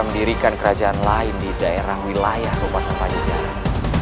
mendirikan kerajaan lain di daerah wilayah lopasan panjaran